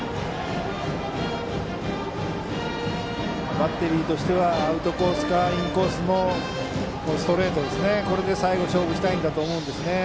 バッテリーとしてはアウトコースかインコースのストレートで最後は勝負したいと思うんですね。